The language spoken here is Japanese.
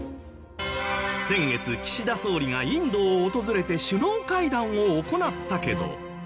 先月岸田総理がインドを訪れて首脳会談を行ったけど。